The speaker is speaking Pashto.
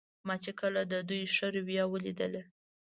ما چې کله د دوی ښه رویه ولیدله.